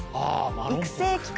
育生期間